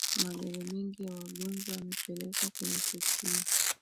magari mengi ya wangonjwa yamepelekwa kwenye tukio